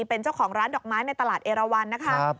เป็นเจ้าของร้านดอกไม้ในตลาดเอราวันนะคะ